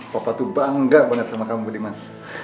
papa tuh bangga banget sama kamu budi mas